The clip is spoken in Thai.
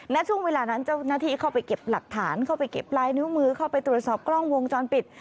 ณช่วงเวลานั้นเจ้าหน้าที่เข้าไปเก็บหลักฐานเข้าไปเก็บลายนิ้วมือเข้าไปตรวจสอบกล้องวงจรปิด